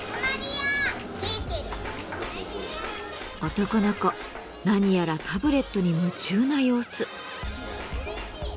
男の子何やらタブレットに夢中な様子。